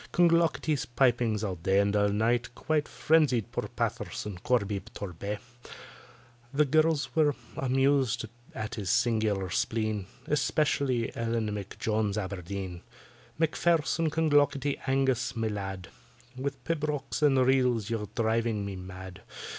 CLONGLOCKETY'S pipings all night and all day Quite frenzied poor PATTISON CORBY TORBAY; The girls were amused at his singular spleen, Especially ELLEN M'JONES ABERDEEN, "MACPHAIRSON CLONGLOCKETTY ANGUS, my lad, With pibrochs and reels you are driving me mad.